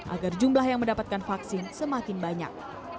agar jumlah yang mendapatkan vaksin semakin banyak